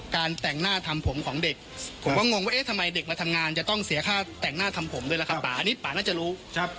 การแต่งหน้าทำผมของเด็กผมก็งงว่าเอ๊ะทำไมเด็กมาทำงานจะต้องเสียค่าแต่งหน้าทำผมด้วยแหละครับ